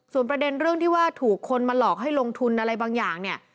ส่วนประเด็นเรื่องที่ว่าถูกคนมาหลอกให้ลงทุนอะไรบางอย่างเนี่ย